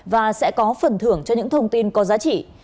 và sẽ có phần thưởng cho những thông tin có giá trị